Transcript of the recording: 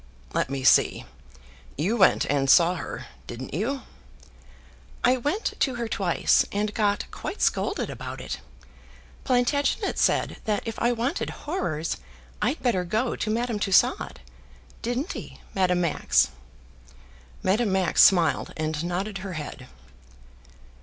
"Let me see, you went and saw her, didn't you?" "I went to her twice, and got quite scolded about it. Plantagenet said that if I wanted horrors I'd better go to Madame Tussaud. Didn't he, Madame Max?" Madame Max smiled and nodded her head.